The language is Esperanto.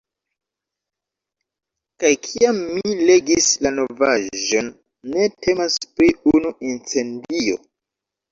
Kaj kiam mi legis la novaĵon, ne temas pri unu incendio.